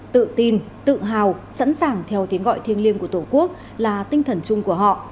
tự tin tự hào sẵn sàng theo tiếng gọi thiêng liêng của tổ quốc là tinh thần chung của họ